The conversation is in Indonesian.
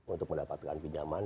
untuk mendapatkan pinjaman